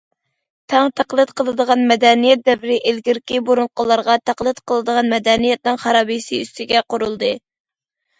تەڭ تەقلىد قىلىدىغان مەدەنىيەت دەۋرى ئىلگىرىكى بۇرۇنقىلارغا تەقلىد قىلىدىغان مەدەنىيەتنىڭ خارابىسى ئۈستىگە قۇرۇلدى.